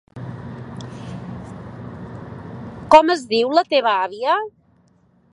Com es diu la teva àvia?